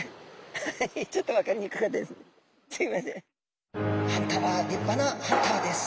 はいちょっと分かりにくかったです。